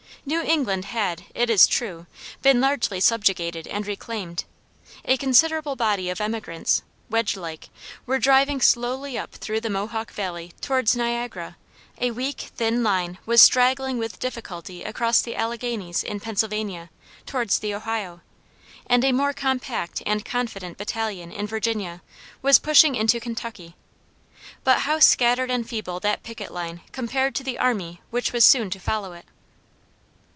New England had, it is true, been largely subjugated and reclaimed; a considerable body of emigrants, wedge like, were driving slowly up through the Mohawk Valley towards Niagara; a weak, thin line, was straggling with difficulty across the Alleghanies in Pennsylvania, towards the Ohio, and a more compact and confident battalion in Virginia, was pushing into Kentucky. But how scattered and feeble that picket line compared to the army which was soon to follow it.